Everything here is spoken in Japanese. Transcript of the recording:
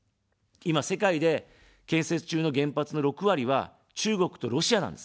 今、世界で建設中の原発の６割は、中国とロシアなんですね。